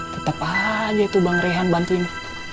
tetep aja tuh bang rehan bantu ini